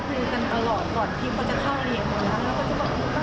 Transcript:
คือเขาไม่ได้เป็นเด็กเก่เลย